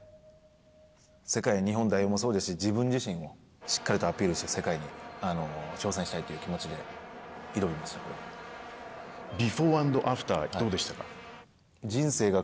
世界、日本代表もそうですし自分自身もしっかりとアピールして世界に挑戦したいという気持ちでビフォー＆アフターどうでした。